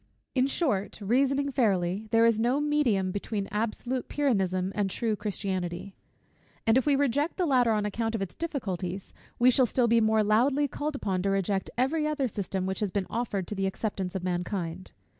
In short, reasoning fairly, there is no medium between absolute Pyrrhonism and true Christianity: and if we reject the latter on account of its difficulties, we shall be still more loudly called upon to reject every other system which has been offered to the acceptance of mankind.